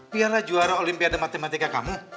biarlah juara olimpiade matematika kamu